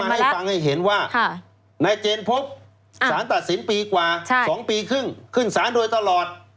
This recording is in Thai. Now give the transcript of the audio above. ให้ฟังให้เห็นว่านายเจนพบสารตัดสินปีกว่า๒ปีครึ่งขึ้นสารโดยตลอด